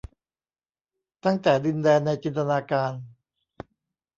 ตั้งแต่ดินแดนในจินตนาการ